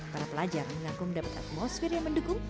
para pelajar mengaku mendapatkan atmosfer yang mendukung